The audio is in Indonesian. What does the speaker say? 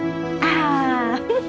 bagaimana memang kamu kelar